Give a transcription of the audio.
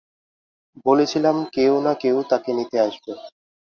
বলেছিলাম কেউ না কেউ তাকে নিতে আসবে।